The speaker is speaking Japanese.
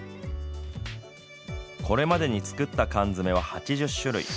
これまでに作った缶詰は８０種類。